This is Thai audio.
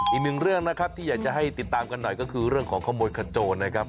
อีกหนึ่งเรื่องนะครับที่อยากจะให้ติดตามกันหน่อยก็คือเรื่องของขโมยขโจรนะครับ